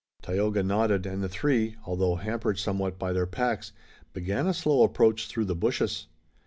Tayoga nodded, and the three, although hampered somewhat by their packs, began a slow approach through the bushes.